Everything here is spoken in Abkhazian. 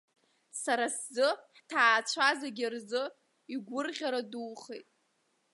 Сара сзы, ҳҭаацәа зегьы рзы игәырӷьара духеит.